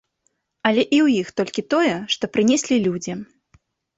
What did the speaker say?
Але і ў іх толькі тое, што прынеслі людзі.